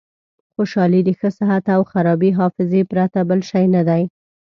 خوشحالي د ښه صحت او خرابې حافظې پرته بل شی نه ده.